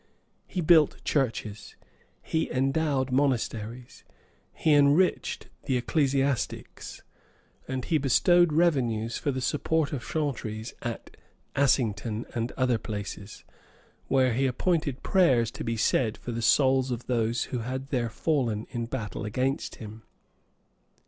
He built churches, he endowed monasteries, he enriched the ecclesiastics, and he bestowed revenues for the support of chantries at Assington and other places; where he appointed prayers to be said for the souls of those who had there fallen in battle against him.